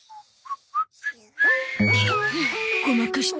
ごまかした。